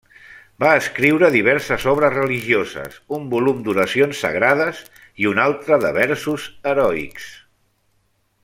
Va escriure diverses obres religioses, un volum d'oracions sagrades i un altre de versos heroics.